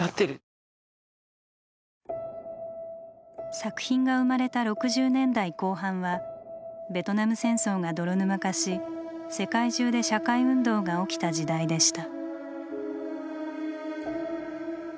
作品が生まれた６０年代後半はベトナム戦争が泥沼化し世界中で社会運動が起きた時代でした。